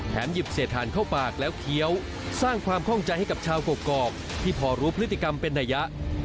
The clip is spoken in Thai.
หยิบเศษฐานเข้าปากแล้วเคี้ยวสร้างความข้องใจให้กับชาวกกอกที่พอรู้พฤติกรรมเป็นระยะ